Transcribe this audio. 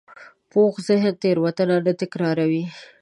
پوخ ذهن تېروتنه نه تکراروي